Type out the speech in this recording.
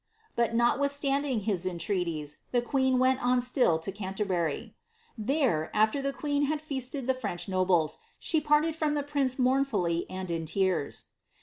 '' But, notwithstanding his entreaties, the queen went on still to Guiterbury. There, after the queen had feasted the French nobles, she parted from the prince, mournfully, and in tears.'